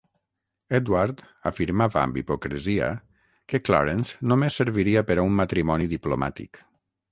Edward afirmava amb hipocresia que Clarence només serviria per a un matrimoni diplomàtic.